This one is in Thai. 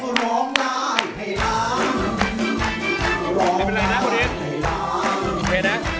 สวัสดีครับ